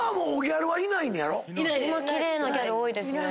今奇麗なギャル多いですね。